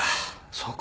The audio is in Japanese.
そうか。